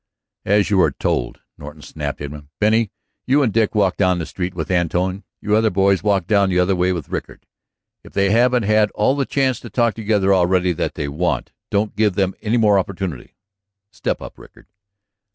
"As you are told," Norton snapped at him. "Benny, you and Dick walk down the street with Antone; you other boys walk down the other way with Rickard. If they haven't had all the chance to talk together already that they want, don't give them any more opportunity. Step up, Rickard."